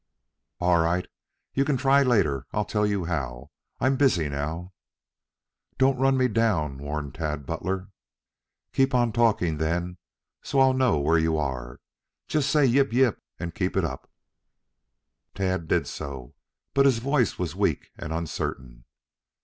"All right. You can try later. I'll tell you how. I'm busy now." "Don't run me down," warned Tad Butler. "Keep talking then, so I'll know where you are. Just say yip yip and keep it up." Tad did so, but his voice was weak and uncertain.